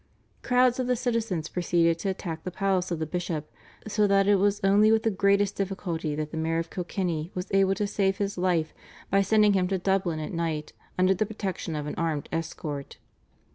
Crowds of the citizens proceeded to attack the palace of the bishop, so that it was only with the greatest difficulty that the Mayor of Kilkenny was able to save his life by sending him to Dublin at night under the protection of an armed escort.